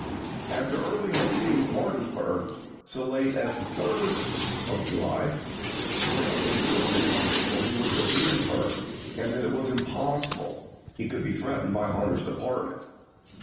After Early had seized Martinsburg, 1864. so late as the 3d of July, Grant insisted that he was at Petersburg, and that it was impossible he could be threatening Hunter's department.